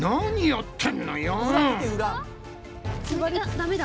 ダメだ。